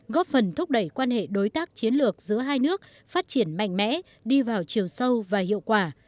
góp phần thúc đẩy quan hệ đối tác chiến lược giữa hai nước phát triển mạnh mẽ đi vào chiều sâu và hiệu quả